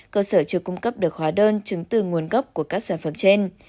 cơ sở chưa cung cấp được hóa đơn chứng từ nguồn gốc của các sản phẩm trên